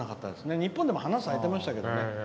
日本で花が咲いてましたけどね。